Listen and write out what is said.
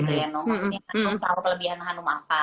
maksudnya aku tau kelebihan hanum apa